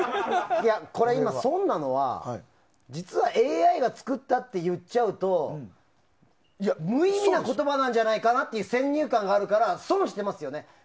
いや、今これ損なのは実はＡＩが作ったって言っちゃうと無意味な言葉なんじゃないかなっていう先入観があるから損をしてますよね。